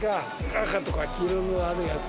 赤とか黄色のあれだ。